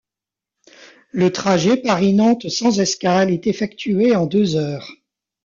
Le trajet Paris-Nantes sans escale est effectué en deux heures.